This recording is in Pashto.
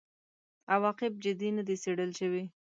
عواقب جدي نه دي څېړل شوي.